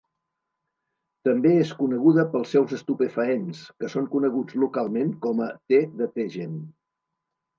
També és coneguda pels seus estupefaents, que són coneguts localment com a "té de Tejen".